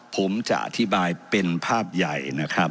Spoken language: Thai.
ผมจะอธิบายเป็นภาพใหญ่